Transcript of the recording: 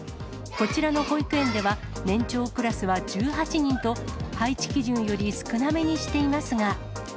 こちらの保育園では、年長クラスは１８人と、配置基準より少なめにしていますが。